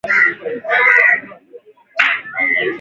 sodiamu madini chuma na foleti hupatikana kwenye viazi lishe